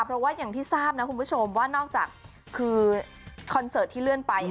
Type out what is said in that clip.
เพราะว่าอย่างที่ทราบนะคุณผู้ชมว่านอกจากคือคอนเสิร์ตที่เลื่อนไป